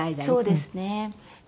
そうですね。